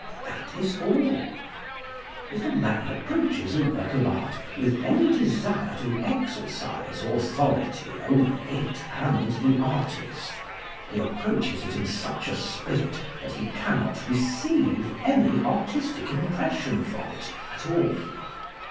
That is all. If a man approaches a work of art with any desire to exercise authority over it and the artist, he approaches it in such a spirit that he cannot receive any artistic impression from it at all.